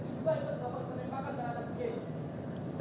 apakah fs juga yang menjawabkan penembakan terhadap j